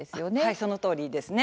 そのとおりです。